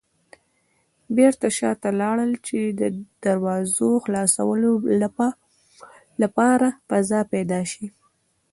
بېرته شاته لاړل چې د دراوزو خلاصولو لپاره فضا پيدا شي.